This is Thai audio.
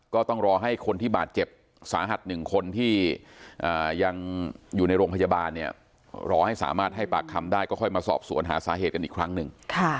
ก็ต้องรอให้คนที่บาดเจ็บสาหัส๑คนที่ยังอยู่ในโรงพยาบาลเนี่ยรอให้สามารถให้ปากคำได้ก็ค่อยมาสอบสวนหาสาเหตุกันอีกครั้งหนึ่ง